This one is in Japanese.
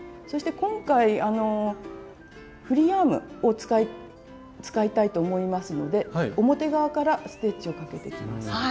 そして今回フリーアームを使いたいと思いますので表側からステッチをかけていきます。